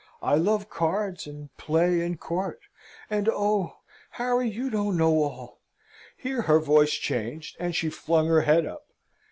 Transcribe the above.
I love cards, and play, and court; and oh, Harry, you don't know all!" Here her voice changed, and she flung her head up.